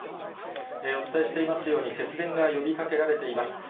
お伝えしていますように、節電が呼びかけられています。